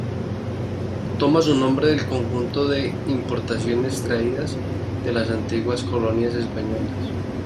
Toma su nombre del conjunto de importaciones traídas de las antiguas colonias españolas.